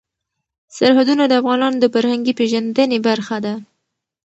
سرحدونه د افغانانو د فرهنګي پیژندنې برخه ده.